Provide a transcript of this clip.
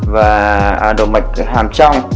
và động mạch hàm trong